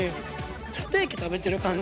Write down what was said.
ステーキ食べてる感じ。